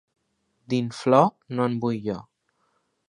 D'inflor, no en vull jo.